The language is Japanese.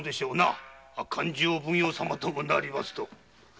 勘定奉行様ともなりますと。